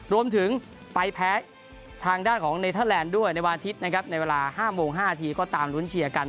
รวมถึงไปแพ้ทางด้านของเนเทอร์แลนด์ด้วยในวันอาทิตย์นะครับในเวลา๕โมง๕นาทีก็ตามรุ้นเชียร์กัน